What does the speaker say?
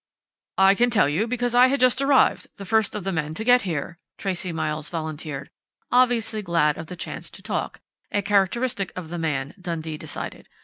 "I can tell you, because I had just arrived the first of the men to get here," Tracey Miles volunteered, obviously glad of the chance to talk a characteristic of the man, Dundee decided.